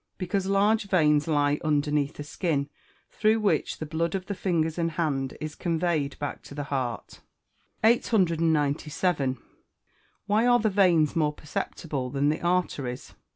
_ Because large veins lie underneath the skin, through which the blood of the fingers and hand is conveyed back to the heart. 897. _Why are the veins more perceptible than the arteries?